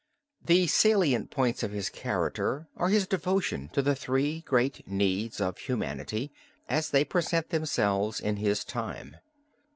The salient points of his character are his devotion to the three great needs of humanity as they present themselves in his time.